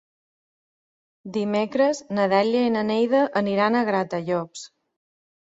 Dimecres na Dèlia i na Neida aniran a Gratallops.